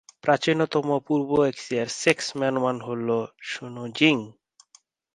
প্রাচীনতম পূর্ব এশিয়ার সেক্স ম্যানুয়াল হল সু নু জিং।